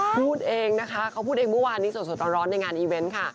พูดเองนะคะเขาพูดเองเมื่อวานนี้สดร้อนในงานอีเวนต์ค่ะ